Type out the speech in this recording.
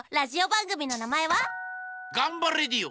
「ガンバレディオ」！